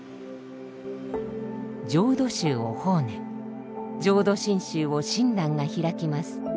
浄土宗を法然浄土真宗を親鸞が開きます。